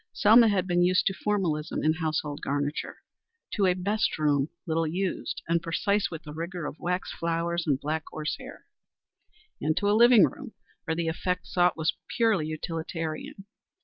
Selma had been used to formalism in household garniture to a best room little used and precise with the rigor of wax flowers and black horse hair, and to a living room where the effect sought was purely utilitarian.